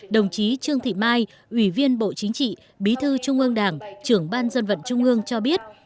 đồng chí trương thị mai ủy viên bộ chính trị bí thư trung ương đảng trưởng ban dân vận trung ương cho biết